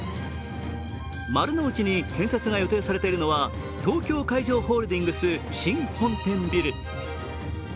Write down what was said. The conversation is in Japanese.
丸の内に建設が予定されているのは、東京海上ホールディングス新本店ビル。